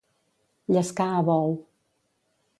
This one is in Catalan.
Llescar a bou.